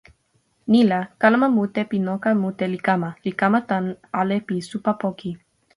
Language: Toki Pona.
ni la, kalama mute pi noka mute li kama, li kama tan ale pi supa poki.